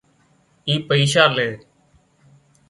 اي پئيشا لئينَ